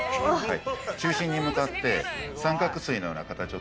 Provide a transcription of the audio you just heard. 中心に向かって。